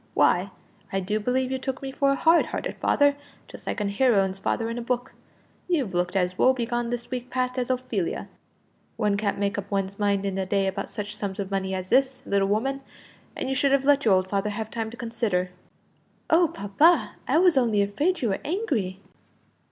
Why, I do believe you took me for a hard hearted father, just like a heroine's father in a book. You've looked as woe begone this week past as Ophelia. One can't make up one's mind in a day about such sums of money as this, little woman; and you should have let your old father have time to consider." "Oh, papa; I was only afraid you were angry."